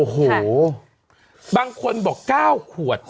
โหบางคนบอก๙ขวด